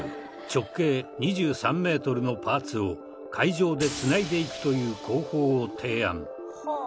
直径２３メートルのパーツを海上で繋いでいくという工法を提案。